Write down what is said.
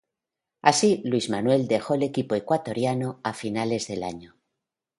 Así, Luis Manuel dejó el equipo ecuatoriano, a finales del año.